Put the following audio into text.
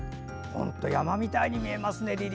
山みたいに見えますね。